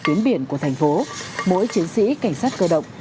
tuyến biển của thành phố mỗi chiến sĩ cảnh sát cơ động